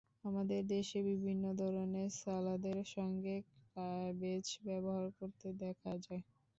আমাদের দেশে বিভিন্ন ধরনের সালাদের সঙ্গে ক্যাবেজ ব্যবহার করতে দেখা যায়।